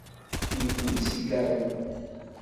Tkeyyfem isigaṛen.